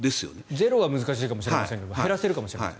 ゼロは難しいかもしれませんが減らせるかもしれない。